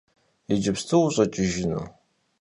Yicıpstu vuş'eç'ıjjınu?